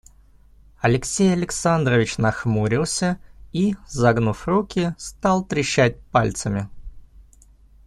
Алексей Александрович нахмурился и, загнув руки, стал трещать пальцами.